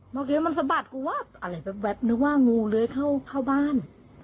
โดยที่มันสะบัดกูว่าอะไรแบบนึกว่างูเลยเข้าบ้าน